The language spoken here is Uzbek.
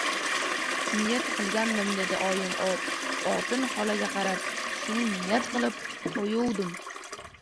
— Niyat qilgandim, — dedi oyim otin xolaga qarab. — Shuni niyat qilib qo‘yuvdim.